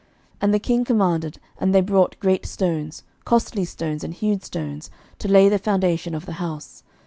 11:005:017 And the king commanded, and they brought great stones, costly stones, and hewed stones, to lay the foundation of the house.